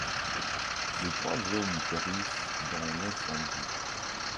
Les trois hommes périssent dans l'incendie.